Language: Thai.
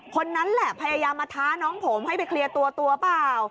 คนนั้นแหละพยายามมาท้าน้องผมให้ไปเคลียร์ตัวเปล่า